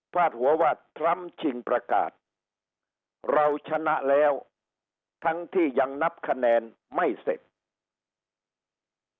ดหัวว่าทรัมป์ชิงประกาศเราชนะแล้วทั้งที่ยังนับคะแนนไม่เสร็จ